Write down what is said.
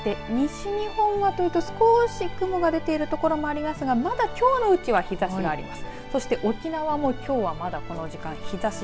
そして、西日本はというと少し雲が出ている所もありますがまだ、きょうのうちは日ざしがあります。